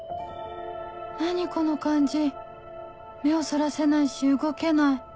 何この感じ目をそらせないし動けない